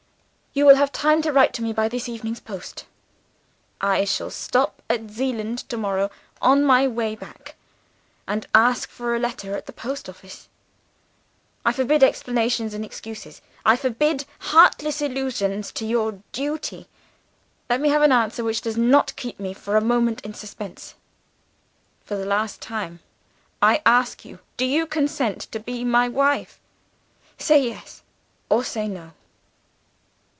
"'You will have time to write to me by this evening's post. I shall stop at Zeeland to morrow, on my way back, and ask for a letter at the post office. I forbid explanations and excuses. I forbid heartless allusions to your duty. Let me have an answer which does not keep me for a moment in suspense. "'For the last time, I ask you: Do you consent to be my wife? Say, Yes or say, No.